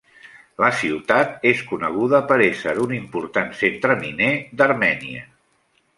La ciutat és coneguda per ésser un important centre miner d'Armènia.